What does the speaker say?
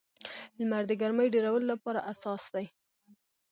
لمر د ګرمۍ ډېرولو لپاره اساس دی.